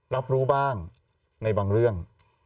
รับรู้บ้างในบางเรื่อง